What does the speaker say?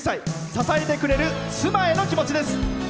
支えてくれる妻への気持ちです。